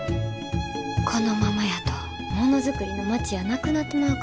このままやとものづくりの町やなくなってまうかも。